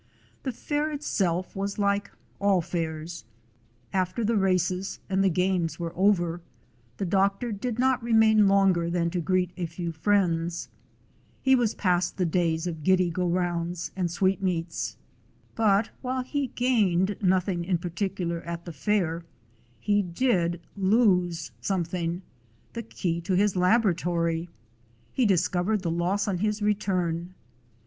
The fair itself was like all fairs. After the races and the games were over, the doctor did not remain longer than to greet a few friends. He was past the days of giddy go rounds and sweetmeats. But while he gained nothing in 132 the door of the doctor's office ' A DOG OF SCOTLAND particular at the fair, he did lose something — the key to his laboratory. He discovered the loss on his return.